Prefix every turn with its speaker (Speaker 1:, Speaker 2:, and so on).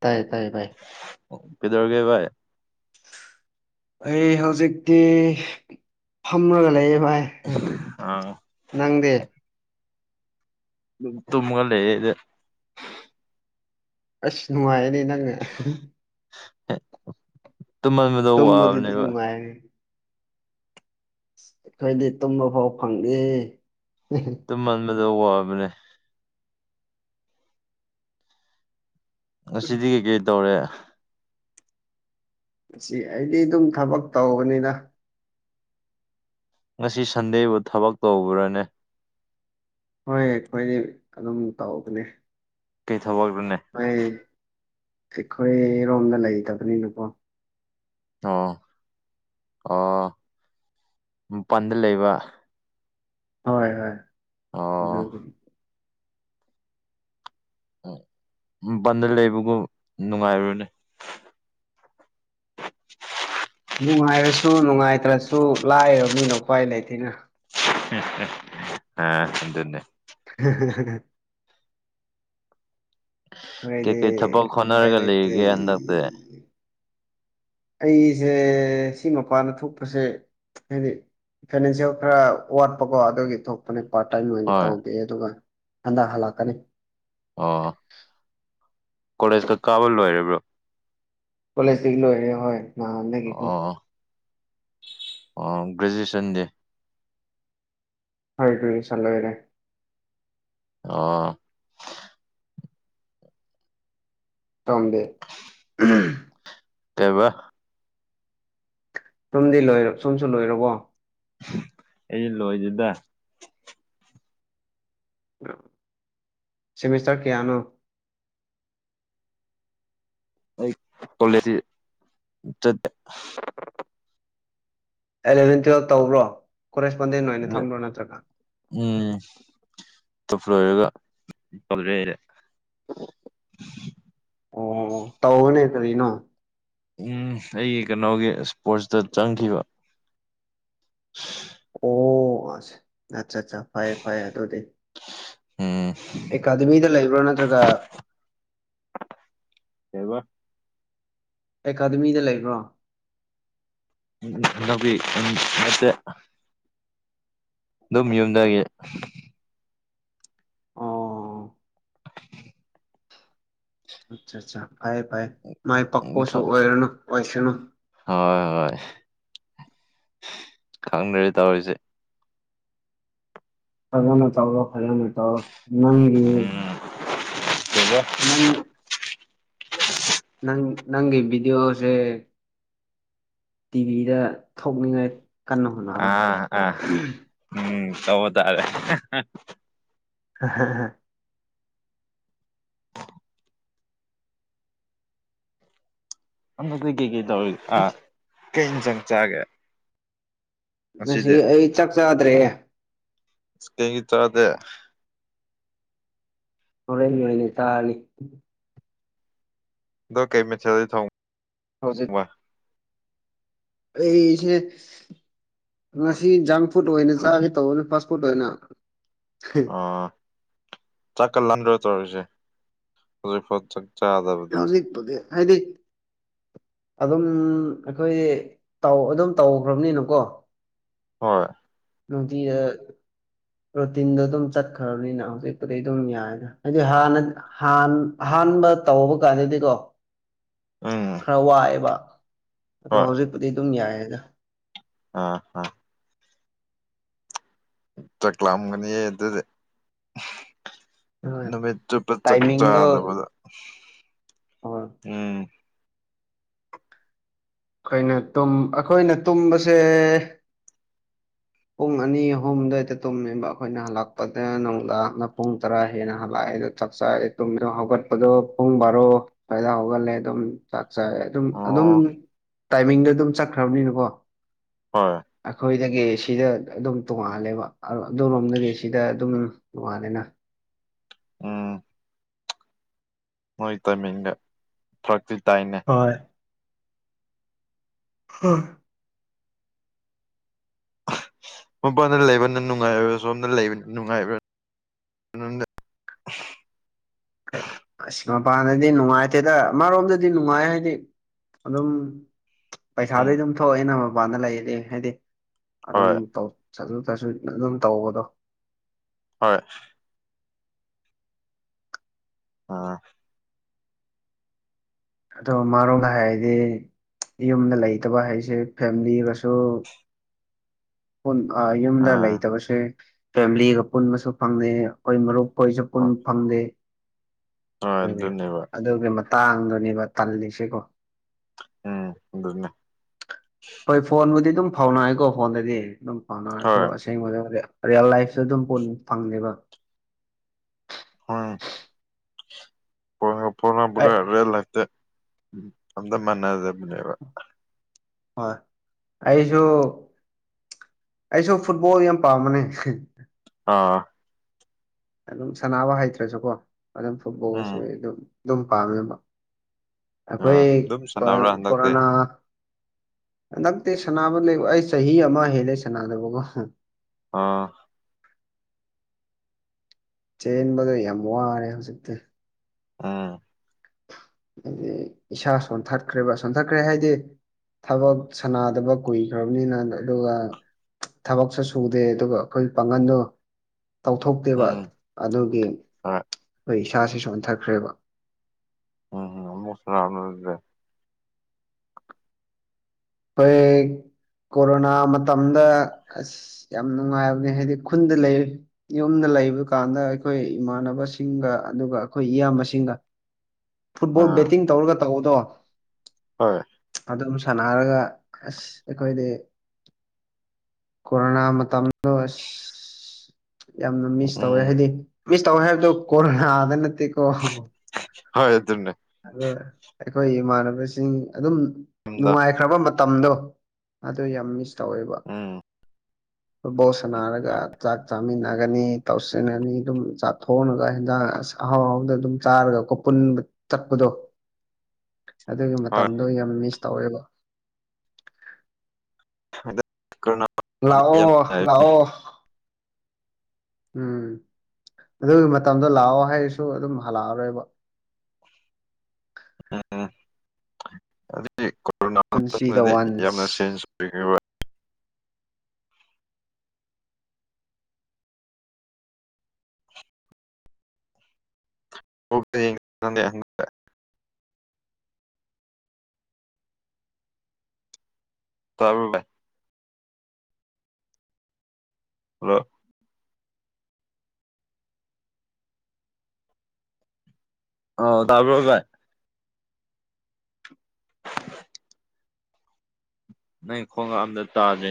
Speaker 1: ꯇꯥꯏꯌꯦ ꯇꯥꯏꯌꯦ ꯇꯥꯏ
Speaker 2: ꯀꯩꯗꯧꯔꯒꯦ ꯚꯥꯏ
Speaker 1: ꯑꯩ ꯍꯧꯖꯤꯛꯇꯤ ꯍ꯭ꯔꯒꯂ ꯍꯚ
Speaker 2: ꯑꯥ
Speaker 1: ꯅꯪꯗꯦ
Speaker 2: ꯇꯨꯝꯃꯒ ꯂꯩ ꯏꯗ
Speaker 1: ꯑꯁ ꯅꯨꯅꯨꯡꯉꯥꯏ
Speaker 2: ꯇꯨꯝꯃꯟꯕꯗꯣ
Speaker 1: ꯇꯝꯕꯗ
Speaker 2: ꯋꯥꯕꯅꯦꯕ
Speaker 1: ꯇꯩꯅꯅꯨꯡꯃꯥꯏ ꯑꯩꯈꯣꯏꯗꯤ ꯇꯨꯝꯕ ꯐꯥꯎ ꯐꯪꯗꯦ
Speaker 2: ꯇꯨꯝꯍꯟꯕꯗꯣ ꯋꯥꯕꯅꯦ ꯉꯁꯤꯗꯤ ꯀꯩꯀꯩ ꯇꯧꯔꯦ
Speaker 1: ꯑꯁꯤ ꯑꯩꯗꯤ ꯑꯗꯨꯝ ꯊꯕꯛ ꯇꯧꯕꯅꯤꯅ
Speaker 2: ꯉꯁꯤ ꯁꯟꯗꯦꯕꯨ ꯊꯕꯛ ꯇꯧꯕ꯭ꯔꯅꯦ
Speaker 1: ꯍꯣꯏ ꯑꯩꯈꯣꯏꯗꯤ ꯑꯗꯨꯝ ꯇꯧꯒꯅꯦ
Speaker 2: ꯊꯕꯛꯅꯦ
Speaker 1: ꯑꯩꯈꯣꯏꯔꯣꯝꯗ ꯂꯩꯇꯕꯅꯤꯅꯀꯣ
Speaker 2: ꯑꯣ ꯑ ꯃꯄꯥꯟꯗ ꯂꯩꯕ
Speaker 1: ꯍꯣꯏ ꯍꯣꯏ
Speaker 2: ꯑꯣ
Speaker 1: ꯎ
Speaker 2: ꯎ ꯟꯗ ꯂꯩꯕꯒꯨꯝ ꯅꯨꯡꯉꯥꯏꯔꯨꯅꯦ [unintelligible]
Speaker 1: ꯅꯨꯡꯉꯥꯏꯔꯁꯨ ꯅꯨꯡꯉꯥꯏꯇ꯭ꯔꯁꯨ ꯂꯥꯏꯔꯕꯅꯤꯅ ꯎꯄꯥꯏ ꯂꯩꯇꯅ
Speaker 2: ꯑ ꯑꯗꯨꯗꯟꯅꯦ
Speaker 1: [unintelligible] [inaudible]
Speaker 2: ꯀꯩ ꯀꯩ ꯊꯕꯛ
Speaker 1: ꯎꯄꯥꯏ
Speaker 2: ꯍꯣꯠꯅꯔꯒ
Speaker 1: ꯂꯩꯇꯦ
Speaker 2: ꯂꯩꯔꯤꯒꯦ ꯍꯟꯗꯛꯇꯤ
Speaker 1: ꯑꯩꯁꯦ ꯁꯤ ꯃꯄꯥꯟꯗ ꯊꯣꯛꯄꯁꯦ ꯍꯥꯏꯗꯤ ꯐꯥꯏꯅꯥꯟꯁꯤꯌꯦꯜ ꯈꯔ ꯋꯥꯠꯄꯀꯣ ꯑꯗꯨꯒꯤ ꯊꯣꯛꯄꯅꯦ ꯄꯥꯔꯠ ꯇꯥꯏꯝ ꯑꯣꯏꯅ
Speaker 2: ꯍꯣꯏ
Speaker 1: ꯇꯧꯒꯦ ꯑꯗꯨꯒ ꯍꯟꯗꯛ ꯍꯜꯂꯛꯀꯅꯤ
Speaker 2: ꯑꯣ ꯀꯣꯂꯦꯖꯇ ꯀꯥꯕ ꯂꯣꯏꯔꯕ꯭ꯔꯣ
Speaker 1: ꯀꯂꯦꯖꯇꯒ ꯂꯣꯏꯔꯦ ꯍꯣꯏ ꯃꯥꯍꯗ ꯀꯀꯣ
Speaker 2: ꯑꯣ ꯒ꯭ꯔꯦꯖꯨꯑꯌꯦꯁꯟ ꯗꯦ
Speaker 1: ꯍꯣꯏ ꯑꯗꯨ ꯆꯠ ꯂꯣꯏꯔꯦ
Speaker 2: ꯑꯣ
Speaker 1: ꯁꯗꯦ
Speaker 2: ꯀꯕ
Speaker 1: ꯁꯨꯝꯗꯤ ꯂꯣꯏ ꯁꯨꯝꯁꯨ ꯂꯣꯏꯔꯕꯣ
Speaker 2: ꯑꯩꯁꯨ ꯂꯣꯏꯖꯗ
Speaker 1: ꯁꯤꯦꯃꯤꯁꯇꯔ ꯀꯌꯥꯅꯣ
Speaker 2: ꯑꯩ ꯀꯣꯋꯥꯂꯦꯇ
Speaker 1: ꯑꯦꯂꯚꯦꯟ ꯇꯨꯋꯜꯞ ꯇꯧꯕ꯭ꯔꯣ ꯀꯣꯔꯦꯁꯄꯣꯟꯗꯦꯟ ꯑꯣꯏꯅ ꯊꯝꯕ꯭ꯔꯣ ꯅꯠꯇ꯭ꯔꯒ
Speaker 2: ꯇꯣ ꯐ꯭ꯂꯔꯒꯔꯦ
Speaker 1: ꯑꯣ ꯇꯧꯅꯦ ꯀꯔꯤꯅꯣ
Speaker 2: ꯎꯝ ꯑꯩꯒꯤ ꯀꯩꯅꯣꯒꯤ ꯏꯁꯄꯣꯔꯠꯁꯇ ꯆꯪꯈꯤꯕ
Speaker 1: ꯑꯣ ꯑꯆꯥ ꯑꯠꯆꯥ ꯐꯥꯏꯌꯦ ꯐꯌꯦ ꯑꯗꯨ ꯑꯗꯨꯗꯤ
Speaker 2: ꯎꯝ
Speaker 1: ꯑꯦꯀꯥꯗꯃꯤꯗ ꯂꯩꯕ꯭ꯔꯥ ꯅꯠꯇ꯭ꯔꯒ
Speaker 2: ꯀꯩꯕ
Speaker 1: ꯑꯦꯀꯥꯗꯃꯤꯗ ꯂꯩꯕ꯭ꯔꯣ
Speaker 2: ꯎꯅꯕꯤ ꯎ ꯃꯠꯇ ꯑꯗꯨꯝ ꯌꯨꯝꯗꯒꯤ
Speaker 1: ꯑꯣ ꯑ ꯑꯆꯥ ꯐꯥꯏ ꯐꯥꯏ ꯃꯥꯥꯏ ꯄꯛꯄꯣꯁꯨ ꯑꯣꯏ ꯑꯣꯏꯁ
Speaker 2: ꯍꯣꯏ ꯍꯣꯏ ꯈꯪꯗꯔꯤꯦ ꯇꯧꯔꯤꯁꯦ
Speaker 1: ꯐꯖꯅ ꯇꯧꯔꯣ ꯐꯖꯅ ꯇꯧꯣ ꯅꯪꯒꯤ
Speaker 2: ꯀꯗꯣ
Speaker 1: ꯅꯪ ꯅꯪ ꯅꯪꯒꯤꯕꯤꯗꯤꯑꯣꯁꯦ ꯇꯤꯚꯤꯗ ꯊꯣꯛꯅꯤꯡꯉꯥꯏ ꯀꯟꯅ ꯍꯣꯠꯅꯔꯣ
Speaker 2: ꯑꯥ ꯑꯥ ꯎꯝ ꯇꯧꯕ ꯇꯥꯔꯦ
Speaker 1: [unintelligible]
Speaker 2: ꯍꯟꯗꯛꯛꯇꯤ ꯀꯩꯀꯩ ꯇꯧꯔꯤ ꯑꯥ ꯀꯩ ꯏ ꯆꯪ ꯆꯒꯦ
Speaker 1: ꯉꯁꯤ ꯑꯩ ꯆꯥꯛ ꯆꯥꯗ꯭ꯔꯦ
Speaker 2: ꯀ ꯆꯥꯗ
Speaker 1: ꯍꯔ ꯇꯥꯅꯤ
Speaker 2: ꯗꯗꯨ ꯀꯩꯃꯤ ꯆꯂ ꯊꯥꯣꯡ
Speaker 1: ꯍꯧꯖꯤꯠ ꯑꯩꯁꯦ ꯉꯁꯤ ꯖꯪ ꯐꯨꯗ ꯑꯣꯏꯅ ꯆꯥꯒꯦ ꯇꯧꯕꯅꯤ ꯐꯥꯁ ꯐꯨꯗ ꯑꯣꯏꯅ
Speaker 2: ꯑ ꯆꯥꯛꯀ ꯂꯥꯟꯗ꯭ꯔ ꯇꯔꯁꯦ ꯍꯧꯖꯤ ꯐ
Speaker 1: ꯍ ꯁꯤꯛꯄꯗꯤ ꯍꯥꯏꯗꯤ ꯑꯗꯨꯝ ꯑꯩꯈꯣꯏ ꯑꯗꯨꯝ ꯇꯧꯈ꯭ꯔꯕꯅꯤꯅꯀꯣ
Speaker 2: ꯍꯣꯏ
Speaker 1: ꯗꯤ ꯔꯣꯇꯤꯟꯗꯣ ꯑꯗꯨꯝ ꯆꯠꯈ꯭ꯔꯕꯅꯤꯅ ꯍꯧꯖꯤꯛꯄꯨꯗꯤ ꯑꯗꯨꯝ ꯌꯥꯏꯗ ꯍꯥꯏꯗꯤ ꯍꯥꯟꯅꯗꯤꯥꯟ ꯑꯍꯥꯟꯕ ꯇꯧꯕ ꯀꯥꯟꯗꯗꯤꯀꯣ
Speaker 2: ꯎꯝ
Speaker 1: ꯈꯔ ꯋꯥꯑꯦꯕ ꯑꯗꯣ
Speaker 2: ꯍꯣꯏ
Speaker 1: ꯍꯧꯖꯤꯛꯄꯨꯗꯤ ꯑꯗꯨꯝ ꯌꯥꯏꯦꯗ
Speaker 2: ꯑꯥ ꯑꯥ ꯆꯥꯛꯂꯝꯛꯑꯝꯒꯅꯤꯌꯦ ꯑꯗꯨꯗꯤ
Speaker 1: ꯍꯣꯏ
Speaker 2: ꯅꯨꯃꯤꯠꯇꯠꯇꯨ ꯄ ꯆꯞ
Speaker 1: ꯇꯥꯏꯃꯤꯡꯗꯣ
Speaker 2: ꯆꯥꯗꯕꯗ
Speaker 1: ꯍꯣꯏ
Speaker 2: ꯎꯝ
Speaker 1: ꯑꯩꯈꯣꯏꯅ ꯑꯩꯈꯣꯏꯅ ꯇꯨꯝꯕꯁꯦ ꯄꯨꯡ ꯑꯅꯤ ꯑꯍꯨꯝꯗꯏꯗ ꯇꯨꯝꯃꯦꯕ ꯑꯩꯈꯣꯏꯅ ꯍꯜꯂꯛꯄꯗ ꯅꯨꯡꯗꯥꯡꯅ ꯄꯨꯡ ꯇꯔꯥ ꯍꯦꯟꯅ ꯍꯜꯂꯛꯑꯦ ꯑꯩꯗꯣ ꯆꯥꯛ ꯆꯥꯗꯣ ꯍꯧꯒꯠꯄꯗꯣ ꯄꯨꯡ ꯕꯥꯔꯣ ꯁ꯭ꯋꯥꯏꯗꯥ ꯍꯧꯒꯠꯂꯦ ꯑꯗꯨꯝ ꯁꯥꯏ ꯑꯗꯨꯝ ꯑꯗꯨꯝ
Speaker 2: ꯑꯣ
Speaker 1: ꯇꯥꯏꯃꯤꯡꯗ ꯑꯗꯨꯝ ꯆꯠꯈ꯭ꯔꯕꯅꯤꯅꯀꯣ
Speaker 2: ꯍꯣꯏ
Speaker 1: ꯑꯈꯣꯏꯗꯒꯦ ꯁꯤꯗ ꯑꯗꯨꯝ ꯇꯣꯉꯥꯜꯂꯦꯕ ꯑꯗꯨꯔꯣꯝꯗꯒꯤ ꯁꯤꯗ ꯑꯗꯨꯝ ꯅꯣꯡꯉꯥꯜꯂꯦꯅ
Speaker 2: ꯑꯥ ꯅꯣꯏ ꯇꯃꯤꯒ ꯐ꯭ꯔꯛꯇꯤ ꯇꯥꯏꯅꯦ
Speaker 1: ꯍꯣꯏ ꯑꯥ
Speaker 2: ꯃꯄꯥꯟꯅ ꯂꯩꯕꯅ ꯅꯨꯡꯉꯥꯏꯕ꯭ꯔꯥ ꯁꯣꯝꯅ ꯂꯩꯕꯅꯤ ꯅꯨꯡꯉꯥꯏꯕ꯭ꯔꯥ ꯗ
Speaker 1: ꯑꯁꯤꯁ ꯃꯄꯥꯟꯗꯗꯤ ꯅꯨꯡꯉꯥꯏꯇꯦꯗ ꯑꯃꯔꯣꯝꯗꯗꯤ ꯅꯨꯡꯉꯥꯏ ꯍꯥꯏꯗꯤ ꯑꯗꯨꯝ ꯄꯩꯁꯥꯗ
Speaker 2: ꯎꯝ
Speaker 1: ꯑꯗꯨꯝ ꯊꯣꯛꯑꯦꯅ ꯃꯄꯗ ꯂꯩꯗꯤ ꯍꯥꯏꯗꯤ ꯑꯗꯨꯝ
Speaker 2: ꯍꯣꯏ
Speaker 1: ꯇꯧ ꯆꯠꯁꯨ ꯆꯥꯠꯁꯨ ꯑꯗꯨꯝ ꯇꯧꯕꯗꯣ
Speaker 2: ꯍꯣꯏ ꯑꯥ
Speaker 1: ꯑꯗꯣ ꯃꯥꯔꯣꯗ ꯍꯥꯏꯔꯗꯤ ꯌꯨꯝꯗ ꯂꯩꯇꯕ ꯍꯥꯏꯁꯦ ꯐꯦꯃꯤꯂꯤꯒꯁꯨ ꯌꯨꯝꯗ
Speaker 2: ꯑꯥ
Speaker 1: ꯂꯩꯇꯕꯁꯦ ꯐꯦꯃꯤꯂꯤꯒ ꯄꯨꯟꯕꯁꯨ ꯐꯪꯅꯦ ꯑꯩꯈꯣꯏ ꯃꯔꯨꯞ ꯑꯩꯣꯏꯁꯨ ꯄꯨꯟ
Speaker 2: ꯍꯣꯏ
Speaker 1: ꯐꯪꯗꯦ
Speaker 2: ꯍꯣꯏ
Speaker 1: ꯑꯗꯨꯒꯤ
Speaker 2: ꯑꯗꯨꯅꯦꯕ
Speaker 1: ꯑꯗꯨꯒꯤ ꯃꯇꯥꯡꯗꯨꯅꯦꯕ ꯇꯜꯂꯤꯁꯤꯀꯣ
Speaker 2: ꯎꯝ ꯍꯟꯅ
Speaker 1: ꯍꯣꯏ ꯐꯣꯟꯕꯨꯗꯤ ꯑꯗꯨꯝ ꯐꯥꯎꯅꯑꯀꯣ ꯐꯣꯟꯗꯗꯤ ꯑꯗꯨꯝ ꯐꯥꯎꯅꯔꯁꯨ
Speaker 2: ꯍꯣꯏ
Speaker 1: ꯑꯁꯦꯡꯕꯗꯕꯨꯗꯤ ꯔꯤꯌꯦꯜ ꯂꯥꯏꯐꯇ ꯑꯗꯨꯝ ꯄꯨꯣꯅꯤꯡ ꯐꯪꯉꯦꯕ
Speaker 2: ꯎꯝꯉ
Speaker 1: ꯑꯩ
Speaker 2: ꯐꯅꯝꯕꯒ ꯔꯦꯠ ꯂꯥꯏꯇ ꯎ ꯑꯝꯇ ꯃꯥꯟꯅꯖꯕꯅꯦꯕ
Speaker 1: ꯍ ꯑꯩꯁꯨ ꯑꯩꯁꯨ ꯐꯨꯠꯕꯣꯜ ꯌꯥꯝ ꯄꯥ ꯃꯅꯦ
Speaker 2: ꯑꯥ
Speaker 1: ꯑꯗꯨꯝ ꯁꯅꯕ ꯍꯩꯇ꯭ꯔꯁꯨꯀꯣ ꯑꯗꯨꯝ ꯐꯨꯠꯕꯣꯜꯁꯨ
Speaker 2: ꯎꯝ
Speaker 1: ꯑꯗꯨꯝ ꯑꯗꯨꯝ ꯄꯥꯝꯃꯦꯕ
Speaker 2: ꯑꯥ
Speaker 1: ꯑꯩꯈꯣꯏ
Speaker 2: ꯑꯗꯨꯝ ꯁꯥꯟꯅꯕ꯭ꯔꯥ ꯍꯟꯗꯛꯇꯤ
Speaker 1: ꯀꯣꯔꯣꯅꯥ ꯍꯟꯗꯛꯇꯤ ꯁꯅꯕ ꯂꯩꯕ ꯑꯩ ꯆꯍꯤ ꯑꯃ ꯍꯦꯜꯂꯦ ꯁꯥꯟꯅꯗꯕꯀꯣ
Speaker 2: ꯑꯥ
Speaker 1: ꯆꯦꯟꯕꯗꯣ ꯌꯥꯝ ꯋꯥꯔꯦ ꯍꯧꯖꯤꯛꯇꯤ
Speaker 2: ꯑꯥ
Speaker 1: ꯑꯗꯨꯗꯤ ꯏꯁꯥ ꯁꯣꯟꯊꯠꯈ꯭ꯔꯦꯕ ꯁꯣꯟꯊꯠꯈ꯭ꯔꯦ ꯍꯥꯏꯗꯤ ꯊꯕꯛ ꯁꯅꯗꯕ ꯀꯨꯏꯈ꯭ꯔꯕꯅꯤꯅ ꯑꯗꯨꯒ ꯊꯕꯛꯁꯨ ꯁꯨꯗꯦ ꯑꯗꯨꯒ ꯑꯩꯈꯣꯏ ꯄꯥꯡꯒꯟꯗꯣ ꯇꯧꯊꯣꯛꯇꯦꯕ
Speaker 2: ꯎꯝ
Speaker 1: ꯑꯗꯨꯒꯤ
Speaker 2: ꯍꯣꯏ
Speaker 1: ꯑꯩꯈꯣꯏ ꯏꯁꯥꯁꯤꯁꯨ ꯍꯟꯊꯈ꯭ꯔꯦꯕ
Speaker 2: ꯎꯝꯝ ꯎꯃꯁꯂ
Speaker 1: ꯑꯩꯣꯏ ꯀꯣꯔꯣꯅꯥ ꯃꯇꯝꯗ ꯑꯁ ꯌꯥꯝ ꯅꯨꯡꯉꯥꯏꯕꯅꯦ ꯍꯥꯏꯗꯤ ꯈꯨꯟꯗ ꯂꯩ ꯌꯨꯝꯗ ꯂꯩꯕ ꯀꯥꯟꯗ ꯑꯩꯈꯣꯏ ꯏꯃꯥꯟꯅꯕꯁꯤꯡꯒ ꯑꯗꯨꯒ ꯑꯩꯈꯣꯏ ꯏꯌꯥꯝꯕꯁꯤꯡꯒ
Speaker 2: [unintelligible]
Speaker 1: ꯐꯨꯠꯕꯣꯜ
Speaker 2: ꯑꯥ
Speaker 1: ꯕꯦꯠꯇꯤꯡ ꯇꯧꯔꯒ ꯇꯑꯣꯗꯣ
Speaker 2: ꯍꯣꯏ
Speaker 1: ꯑꯗꯨꯝ ꯁꯥꯟꯅꯔꯒ ꯑꯁ ꯑꯩꯈꯣꯏꯗꯤ ꯀꯣꯔꯣꯅꯥ ꯃꯇꯝ ꯑ ꯑꯁ ꯌꯥꯝꯅ ꯃꯤꯁ ꯇꯧꯋꯦ
Speaker 2: ꯎꯝ
Speaker 1: ꯍꯥꯏꯗꯤ ꯃꯤꯁ ꯇꯧꯋꯦ ꯍꯥꯏꯕꯗꯣ ꯀꯣꯔꯣꯅꯥꯗ ꯅꯠꯇꯦꯀꯣ
Speaker 2: ꯍꯣꯏ ꯑꯗꯨ
Speaker 1: ꯑꯗ ꯑꯩꯈꯣꯏ ꯏꯃꯥꯟꯅꯕꯁꯤꯡ ꯑꯗꯨꯝ
Speaker 2: ꯌꯨꯝꯗ
Speaker 1: ꯅꯨꯡꯉꯥꯏꯈ꯭ꯔꯕ ꯃꯇꯝꯗꯣ ꯑꯗꯨꯗ ꯌꯥꯝ ꯃꯤꯁ ꯇꯧꯋꯦꯕ
Speaker 2: ꯎꯝ [unintelligible]
Speaker 1: ꯐꯨꯠꯕꯣꯜ ꯁꯥꯟꯅꯔꯒ ꯆꯥꯛ ꯆꯥꯃꯤꯟꯅꯒꯅꯤ ꯇꯧꯁꯤꯟꯒꯅꯤ ꯑꯗꯨꯝ ꯆꯥꯛꯊꯣꯛꯉꯒ ꯍꯟꯖꯥꯡ ꯑꯍꯥꯎ ꯑꯍꯥꯎꯗ ꯑꯗꯨꯝ ꯆꯥꯔꯒ ꯀꯣ ꯄꯨꯟꯕ ꯆꯠꯄꯗꯣ ꯑꯗꯨꯒꯤ
Speaker 2: ꯍꯣꯏ
Speaker 1: ꯃꯇꯝꯗꯣ ꯌꯥꯝ ꯃꯤꯁ ꯇꯧꯋꯦꯕ
Speaker 2: ꯑꯗ
Speaker 1: ꯂꯑꯣ ꯂꯑꯣ ꯎꯝ ꯑꯗꯨꯒꯤ ꯃꯇꯝꯗꯣ ꯂꯥꯛꯑꯣ ꯍꯥꯏꯁꯨ ꯑꯗꯨꯝ ꯍꯜꯂꯛꯑꯔꯣꯏꯕ
Speaker 2: ꯑꯝ ꯀꯣꯔꯣꯅꯥ
Speaker 1: ꯄꯨꯟꯁꯤꯗ
Speaker 2: ꯌꯥꯝ
Speaker 1: ꯋꯥꯟꯁ
Speaker 2: ꯏ [unintelligible] ꯇꯃꯦ ꯑ [unintelligible] ꯑꯣ ꯇꯄ ꯀꯥꯏ [unintelligible] ꯅꯪ ꯈꯣꯡꯒꯥ ꯑꯝꯗ ꯇꯥꯗꯣꯏꯅꯦ